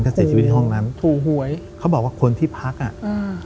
ถ้าเสียชีวิตที่ห้องนั้นถูกหวยเขาบอกว่าคนที่พักอ่ะอืม